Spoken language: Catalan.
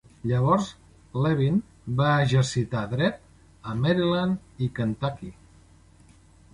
Llavors Levin va exercitar dret a Maryland i Kentucky.